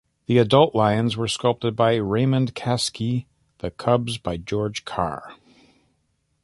The adult lions were sculpted by Raymond Kaskey, the cubs by George Carr.